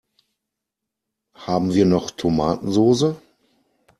Haben wir noch Tomatensoße?